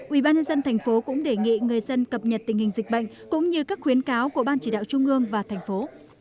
ubnd tp cũng đề nghị người dân cập nhật tình hình dịch bệnh cũng như các khuyến cáo của ban chỉ đạo trung ương và thành phố